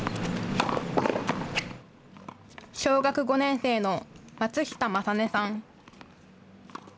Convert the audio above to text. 小学５年生の松下理音さん。